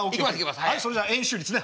さあそれじゃあ円周率ね。